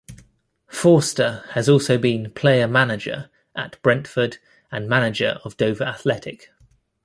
Forster has also been player-manager at Brentford, and manager of Dover Athletic.